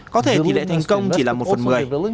có thể thì lệnh thành công chỉ là một phần mười